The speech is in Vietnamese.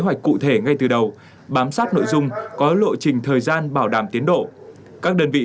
kế hoạch cụ thể ngay từ đầu bám sát nội dung có lộ trình thời gian bảo đảm tiến độ các đơn vị